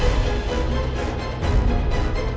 ya kita kembali ke sekolah